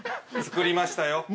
作りましたよ。